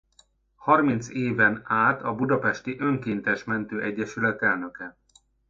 Harminc éven át a Budapesti Önkéntes Mentő Egyesület elnöke.